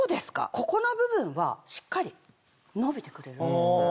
ここの部分はしっかり伸びてくれるんです。